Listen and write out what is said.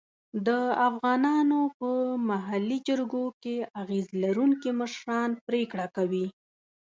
د افغانانو په محلي جرګو کې اغېز لرونکي مشران پرېکړه کوي.